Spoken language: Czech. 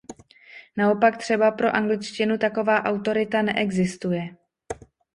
Naopak třeba pro angličtinu taková autorita neexistuje.